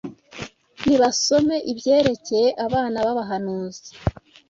Nibasome ibyerekeye abana b’abahanuzi